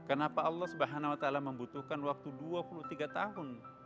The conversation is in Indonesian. kenapa allah swt membutuhkan waktu dua puluh tiga tahun